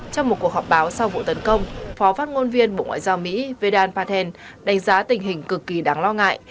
trong một cuộc họp báo sau vụ tấn công phó phát ngôn viên bộ ngoại giao mỹ veddan patel đánh giá tình hình cực kỳ đáng lo ngại